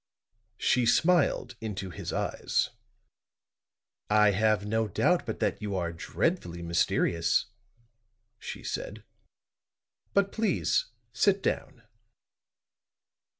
She smiled into his eyes. "I have no doubt but that you are dreadfully mysterious," she said. "But please sit down."